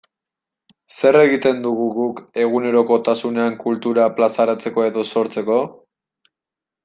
Zer egiten dugu guk egunerokotasunean kultura plazaratzeko edo sortzeko?